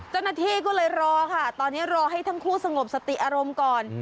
เจ้าหน้าที่ก็เลยรอค่ะตอนนี้รอให้ทั้งคู่สงบสติอารมณ์ก่อน